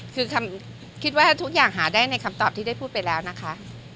คือคิดว่าทุกอย่างหาได้ในคำตอบที่ได้พูดไปแล้วนะคะ